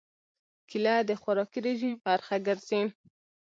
کېله د خوراکي رژیم برخه ګرځي.